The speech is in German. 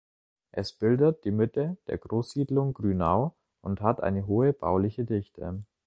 Es bildet die Mitte der Großsiedlung Grünau und hat eine hohe bauliche Dichte.